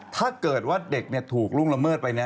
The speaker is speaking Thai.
ถ้าเกิดว่าเกิดว่าเด็กถูกรุ้งละเมิดไป